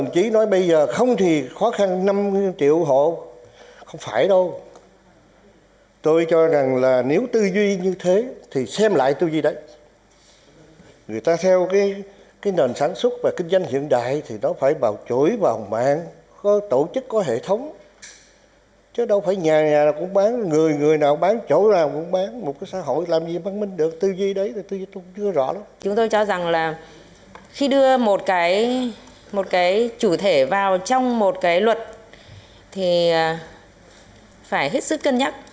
chúng tôi cho rằng là khi đưa một cái chủ thể vào trong một cái luật thì phải hết sức cân nhắc